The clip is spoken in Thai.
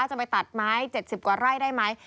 จะไปตัดไม้๗๐กว่าไร่ได้ไหม